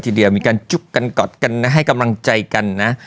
ทีเดียวมีการจุ๊บกันกอดกันนะให้กำลังใจกันนะ